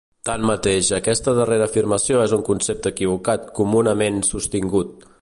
Tanmateix, aquesta darrera afirmació és un concepte equivocat comunament sostingut.